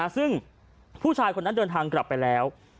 ซึ่งผู้ชายคนนั้นเดินทางกลับไปแล้ว